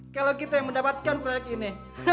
kalau kita yang mendapatkan proyek ini